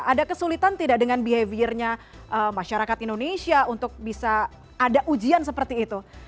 ada kesulitan tidak dengan behaviornya masyarakat indonesia untuk bisa ada ujian seperti itu